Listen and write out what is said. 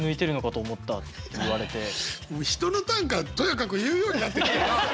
今日どうしたの人の短歌とやかく言うようになってきたな！